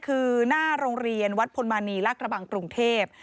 คือหน้าโรงเรียนวัดพลมานีลากระบังกรุงเทพ